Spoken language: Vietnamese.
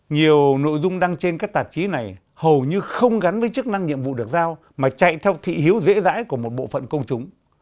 nhiều nội dung đăng trên các tạp chí này hầu như không gắn với chức năng nhiệm vụ được giao mà chạy theo thị hiếu dễ dãi của một bộ phận công chúng